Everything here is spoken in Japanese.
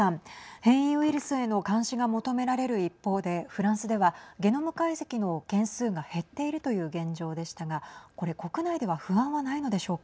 変異ウイルスへの監視が求められる一方でフランスではゲノム解析の件数が減っているという現状でしたがこれ国内では不安はないのでしょうか。